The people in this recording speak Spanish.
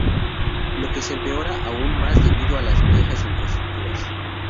Lo que se empeora aún más debido a las viejas infraestructuras.